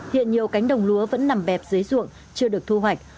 hiện nhiều cánh đồng lúa vẫn nằm bẹp dưới ruộng chưa được thu hoạch